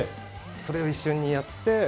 それを一瞬にやって。